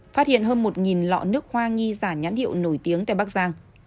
phát hiện hơn một lọ nước hoa nghi giả nhãn hiệu nổi tiếng tại bắc giang